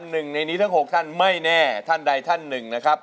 หนึ่งในนี้ทั้ง๖ท่านไม่แน่ท่านใดท่านหนึ่งนะครับ